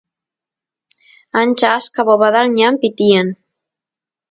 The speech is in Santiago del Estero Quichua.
ancha achka bobadal ñanpi tiyan